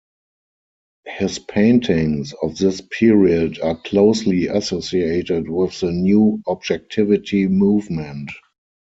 His paintings of this period are closely associated with the New Objectivity Movement.